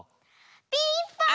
ピンポーン！